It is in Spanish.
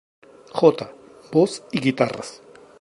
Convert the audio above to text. J: voz y guitarras.